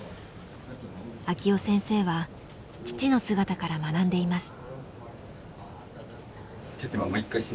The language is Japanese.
晃生先生は父の姿から学んでいます。